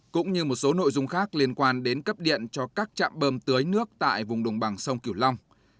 cũng như một số nội dung khác liên quan đến cấp điện cho các trạm bơm tưới nước tại vùng đồng bằng sông kiểu long